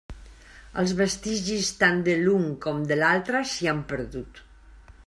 Els vestigis tant de l'un com de l'altre s'hi han perdut.